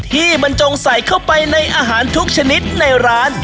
ที่มันจงใส่เข้าไปในอาหารทุกชนิดในร้าน